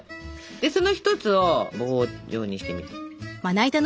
でその一つを棒状にしてみて。